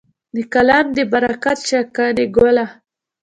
د قلم دې برکت شه قانع ګله.